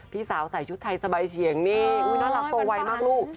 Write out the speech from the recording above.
พี่สาวใส่ชุดไทยสบายเฉียงนี่น่ารักโตไวมากลูก